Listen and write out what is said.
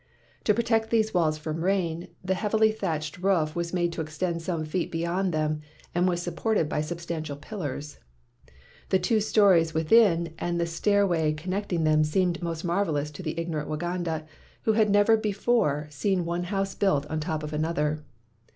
To protect these walls from rain, the heavily thatched roof was made to extend some feet beyond them and was supported by substantial pillars. The two stories within and the stairway con 174 MACKAY'S NEW NAME necting them seemed most marvelous to the ignorant Wagauda, who had never before seen one house built on top of another.